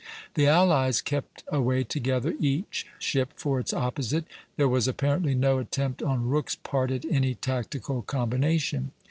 The allies kept away together, each ship for its opposite; there was apparently no attempt on Rooke's part at any tactical combination.